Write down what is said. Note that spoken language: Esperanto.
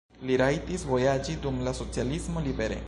Li rajtis vojaĝi dum la socialismo libere.